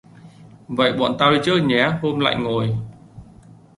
vậy bọn tao đi trước nhé hôm lại ngồi